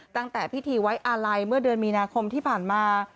ตั้งแต่พิธีไว้อาลัยเมื่อเดือนมีนาคมที่ผ่านมา